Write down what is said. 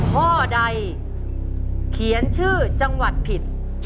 ข้อใดเขียนชื่อจังหวัดผิด